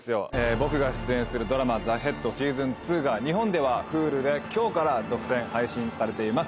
僕が出演するドラマ『ＴＨＥＨＥＡＤ』シーズン２が日本ではＨｕｌｕで今日から独占配信されています。